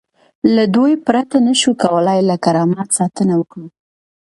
له دوی پرته نشو کولای له کرامت ساتنه وکړو.